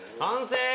完成！